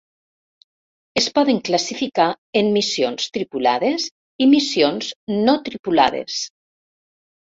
Es poden classificar en missions tripulades i missions no tripulades.